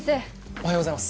おはようございます